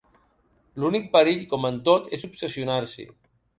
L'únic perill, com en tot, és obsessionar-s'hi.